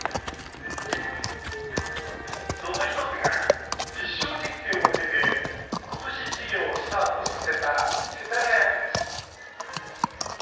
その１つが実証実験を経て今年、事業をスタートさせた世田谷区です。